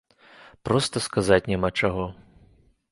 Проста сказаць няма чаго.